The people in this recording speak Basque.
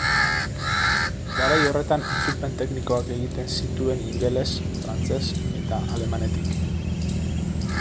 Garai horretan itzulpen teknikoak egiten zituen ingeles, frantses eta alemanetik.